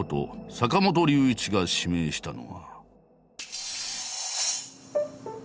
坂本龍一が指名したのは。